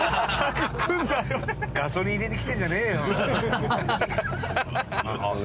「ガソリン入れに来てんじゃねえよ」。